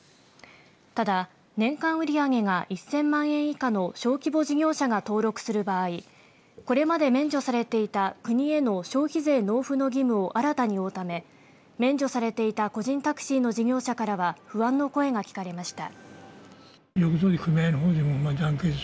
ただ、年間売り上げが１０００万円以下の小規模事業者が登録する場合これまで免除されていた国への消費税納付の義務を新たに負うため免除されていた個人タクシーの事業者からは不安の声が聞かれました。